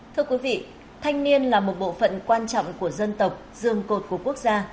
thưa quý vị thanh niên là một bộ phận quan trọng của dân tộc dương cột của quốc gia